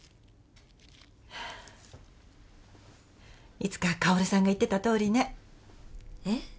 いつか香さんが言ってたとおりねえっ？